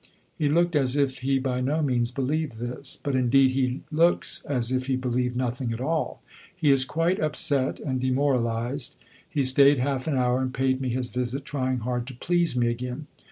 He looked as if he by no means believed this; but, indeed, he looks as if he believed nothing at all. He is quite upset and demoralized. He stayed half an hour and paid me his visit trying hard to 'please' me again!